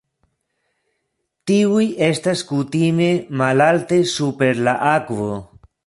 Tiuj estas kutime malalte super la akvo.